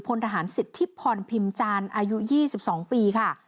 พลทหารสิทธิพรพิมจานอายุ๒๒ปีค่ะ